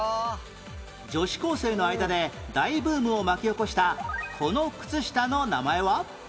女子高生の間で大ブームを巻き起こしたこの靴下の名前は？